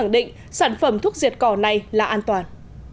định sản phẩm thuốc diệt cỏ này là an toàn